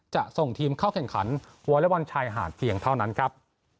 จะส่งทีมเข้าแข่งขันวอเล็กบอลชายหาดเพียงเท่านั้นครับ